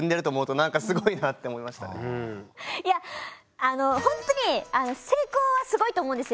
いやほんとに成功はすごいと思うんですよ。